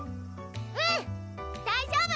うん大丈夫！